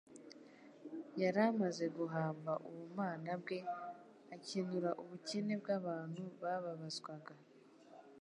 Yari amaze guhamva ubumana bwe akenura ubukene bw'abantu bababazwaga.